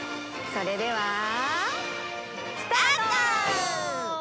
それでは。